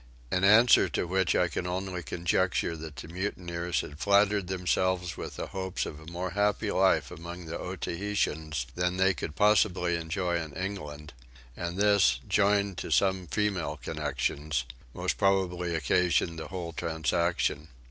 in answer to which I can only conjecture that the mutineers had flattered themselves with the hopes of a more happy life among the Otaheiteans than they could possibly enjoy in England; and this, joined to some female connections, most probably occasioned the whole transaction.